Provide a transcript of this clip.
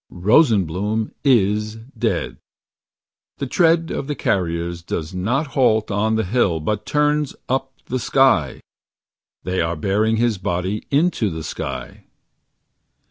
Rosenbloom is dead. The tread of the carriers does not halt On the hill, but turns Up the sky. They are bearing his body into the sky.